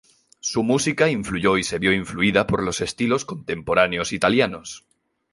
Su música influyó y se vio influida por los estilos contemporáneos italianos.